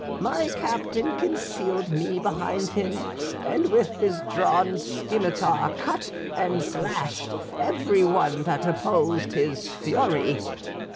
My captain concealed me behind him; and with his drawn scimitar cut and slashed every one that opposed his fury.